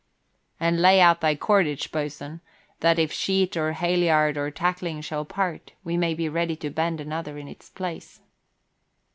"And lay out thy cordage, boatswain, that if sheet or halyard or tackling shall part, we may be ready to bend another in its place."